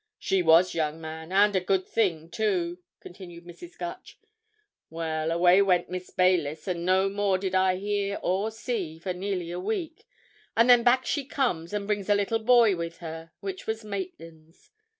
"She was, young man, and a good thing, too," continued Mrs. Gutch. "Well, away went Miss Baylis, and no more did I hear or see for nearly a week, and then back she comes, and brings a little boy with her—which was Maitland's.